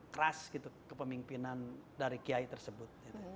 keras gitu kepemimpinan dari kiai tersebut